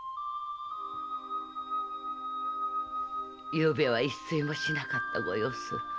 ・昨夜は一睡もしなかったご様子。